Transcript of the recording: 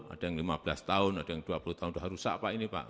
ada yang lima belas tahun ada yang dua puluh tahun sudah rusak pak ini pak